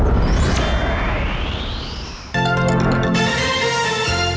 โอเคค่ะโอเคค่ะ